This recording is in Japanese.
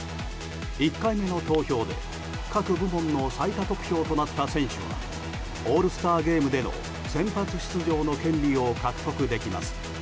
１回目の投票で各部門の最多得票となった選手はオールスターゲームでの先発出場の権利を獲得できます。